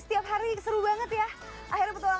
sampaiberapa buat malam